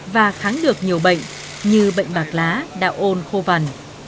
và kháng được nhiều bệnh như bệnh bạc lá đạo ôn khô vằn